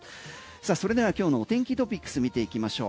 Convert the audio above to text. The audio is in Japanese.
それでは今日の天気トピックス見ていきましょう。